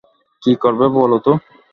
কী করবে বলো তো?